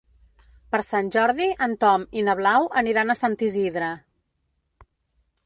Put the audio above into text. Per Sant Jordi en Tom i na Blau aniran a Sant Isidre.